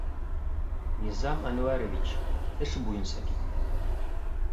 Низам Әнүәрович... эш буйынса китте.